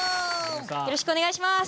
よろしくお願いします。